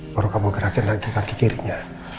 kalau kamu gerakkan lagi kaki kirinya